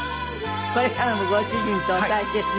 これからもご主人とを大切に。